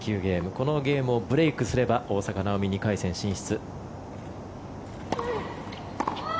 このゲームをブレークすれば大坂なおみ、２回戦進出。